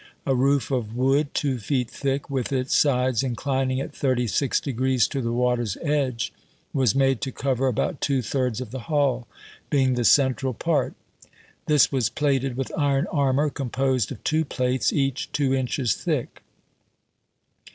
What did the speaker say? A roof of wood two feet thick, with its sides inclining at thirty six degrees to the water's edge, was made to cover about two thirds of the hull, being the central "monitok" and "mekkimac" 219 part ; this was plated with iron armor composed ch. xiii. of two plates, each two inches thick.